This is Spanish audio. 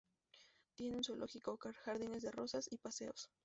Tiene un zoológico, jardines de rosas, y paseos.